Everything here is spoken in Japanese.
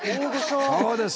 そうです。